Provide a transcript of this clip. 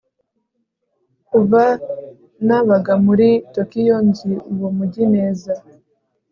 Kuva nabaga muri Tokiyo nzi uwo mujyi neza